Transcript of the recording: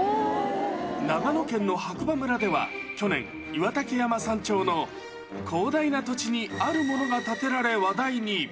長野県の白馬村では去年、岩岳山山頂の広大な土地にあるものが建てられ話題に。